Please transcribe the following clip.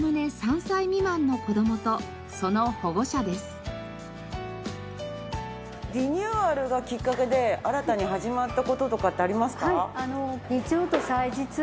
利用対象者はリニューアルがきっかけで新たに始まった事とかってありますか？